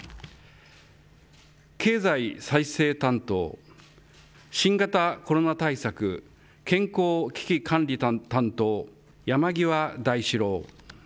経済再生担当、新型コロナウイルス対策、健康危機管理担当、山際大志郎。